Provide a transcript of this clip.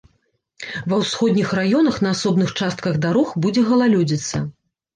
Ва ўсходніх раёнах на асобных частках дарог будзе галалёдзіца.